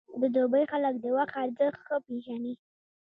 د دوبی خلک د وخت ارزښت ښه پېژني.